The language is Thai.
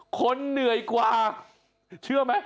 คนเหนื่อยกว่าเชื่อไหม